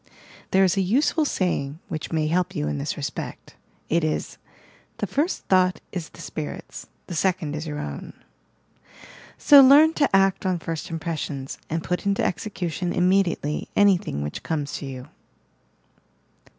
There is a useful saying which may help you in this respect. It is; "The first thought is the spirit's, the second is your own." So learn to act on first impressions, and put into execution immediately anything which comes to you.